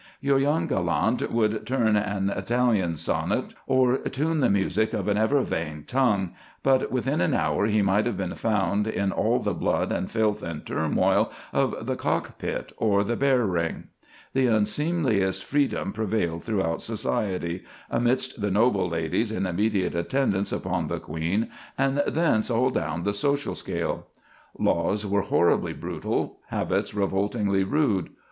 Your young gallant would turn an Italian sonnet, or "tune the music of an ever vain tongue," but within an hour he might have been found in all the blood and filth and turmoil of the cockpit or the bear ring. The unseemliest freedom prevailed throughout society—amidst the noble ladies in immediate attendance upon the queen, and thence all down the social scale. Laws were horribly brutal, habits revoltingly rude.